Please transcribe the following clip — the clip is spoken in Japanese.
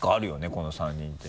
この３人って。